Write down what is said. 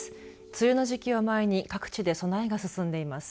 梅雨の時期を前に各地で備えが進んでいます。